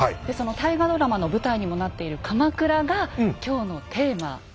でその大河ドラマの舞台にもなっている「鎌倉」が今日のテーマ。